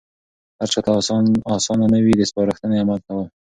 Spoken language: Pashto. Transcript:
هرچاته آسانه نه وي د سپارښتنې عملي کول.